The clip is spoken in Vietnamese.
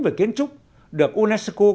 về kiến trúc được unesco